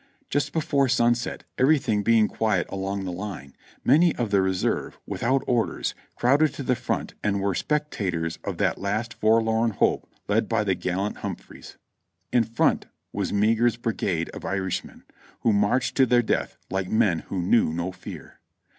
Just before sunset, everything being quiet along the line, many of the reserve, without orders, crowded to the front and were spectators of that last forlorn hope led by the gallant Hum phries. In front was Meagher's brigade of Irishmen, who marched to their death like men who knew no fear.